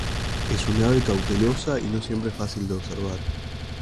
Es un ave cautelosa y no siempre fácil de observar.